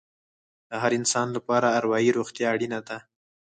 د هر انسان لپاره اروايي روغتیا اړینه ده.